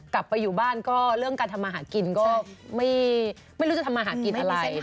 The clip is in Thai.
กลับไปอยู่บ้านก็เรื่องการทำมาหากินก็ไม่รู้จะทำมาหากินอะไร